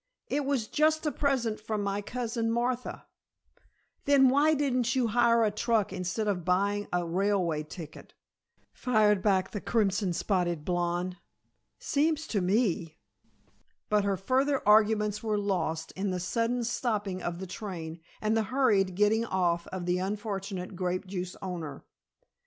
"It was just a present from my cousin Martha " "Then, why didn't you hire a truck instead of buying a railway ticket," fired back the crimson spotted blonde. "Seems to me " But her further arguments were lost in the sudden stopping of the train and the hurried getting off of the unfortunate grape juice owner.